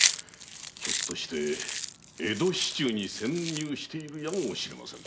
ひょっとして江戸市中に潜入しているやもしれません。